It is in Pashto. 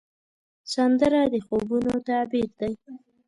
سندره د خوبونو تعبیر دی